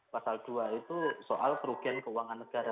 pasal dua itu soal kerugian keuangan negara